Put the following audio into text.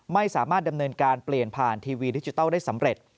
ไม่สามารถดำเนินการเปลี่ยนผ่านทีวีดิจิทัลได้สำเร็จ